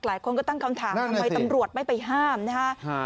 หลายคนก็ตั้งคำถามทำไมตำรวจไม่ไปห้ามนะฮะ